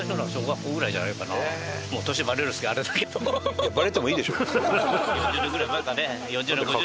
いやバレてもいいでしょ別に。